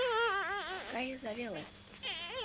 — Кайыза веле.